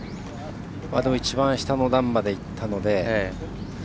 一番下の段までいったので。